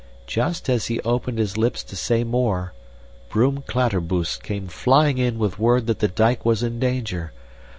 Just as he opened his lips to say more, Broom Klatterboost came flying in with word that the dike was in danger.